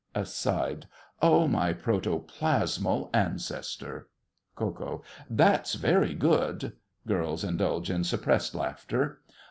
(Aside.) Oh, my protoplasmal ancestor! KO. That's very good. (Girls indulge in suppressed laughter.)